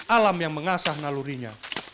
alam yang mengasah nalurinya